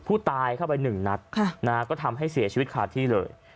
เข้าไปหนึ่งนัดก็ทำให้เสียชีวิตขาดที่เลย